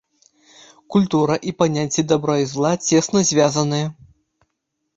Культура і паняцці дабра і зла цесна звязаныя.